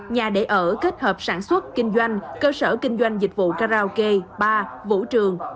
nhà để ở kết hợp sản xuất kinh doanh cơ sở kinh doanh dịch vụ karaoke bar vũ trường